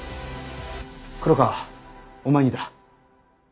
黒川お前にだ。